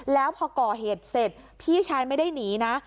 แล้วพอก่อเหตุเสร็จพี่ชายไม่ได้หนีนะ